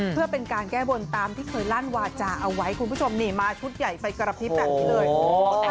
เพื่อเป็นการแก้บนตามที่เคยลั่นวาจาเอาไว้คุณผู้ชมนี่มาชุดใหญ่ไฟกระพริบแบบนี้เลย